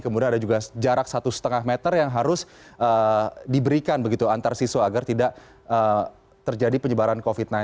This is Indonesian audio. kemudian ada juga jarak satu lima meter yang harus diberikan begitu antar siswa agar tidak terjadi penyebaran covid sembilan belas